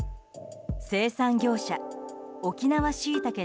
生産業者沖縄しいたけ